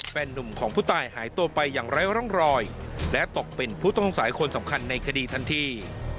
นุ่มของผู้ตายหายตัวไปอย่างไร้ร่องรอยและตกเป็นผู้ต้องสัยคนสำคัญในคดีทันที